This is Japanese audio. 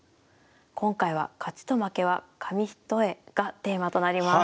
今回は「勝ちと負けは紙一重」がテーマとなります。